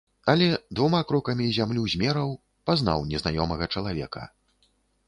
Але двума крокамі зямлю змераў, пазнаў незнаёмага чалавека.